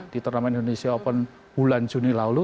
di turnamen indonesia open bulan juni lalu